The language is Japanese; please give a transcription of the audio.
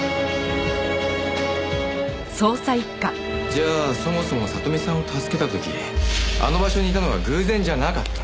じゃあそもそも里見さんを助けた時あの場所にいたのは偶然じゃなかった。